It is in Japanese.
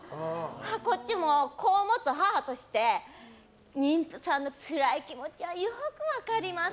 こっちも子を持つ母として妊婦さんのつらい気持ちはよく分かります。